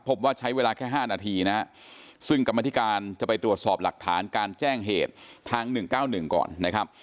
พบว่าใช้เวลาแค่๕นาทีนะฮะซึ่งกรรมธิการจะไปตรวจสอบหลักฐานการแจ้งเหตุทาง๑๙๑ก่อนนะครับ